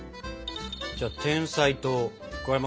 じゃてんさい糖加えますね。